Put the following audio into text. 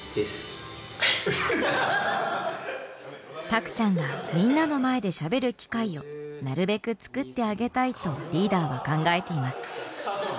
たくちゃんがみんなの前でしゃべる機会をなるべく作ってあげたいとリーダーは考えています。